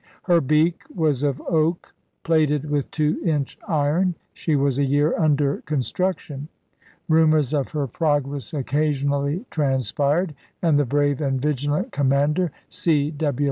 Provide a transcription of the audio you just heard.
Her beak was of oak, plated with two inch iron. She was a year under construction ; rumors of her progress occasionally transpired, and the brave and vigilant commander, C. W.